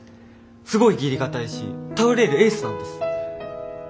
すごい義理堅いし頼れるエースなんです。